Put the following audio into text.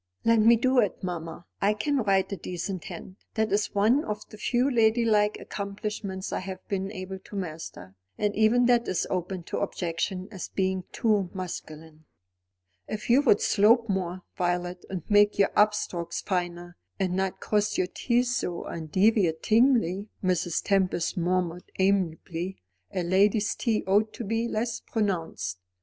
"Let me do it, mamma. I can write a decent hand. That is one of the few ladylike accomplishments I have been able to master; and even that is open to objection as being too masculine." "If you would slope more, Violet, and make your up strokes finer, and not cross your T's so undeviatingly," Mrs. Tempest murmured amiably. "A lady's T ought to be less pronounced.